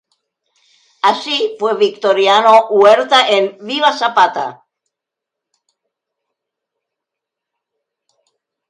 Así, fue Victoriano Huerta en "¡Viva Zapata!